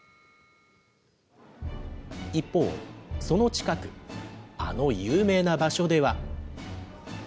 一方、その近く、あの有名な場所では。